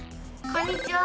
こんにちは！